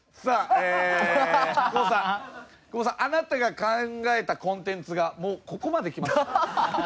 久保田さんあなたが考えたコンテンツがもうここまできました。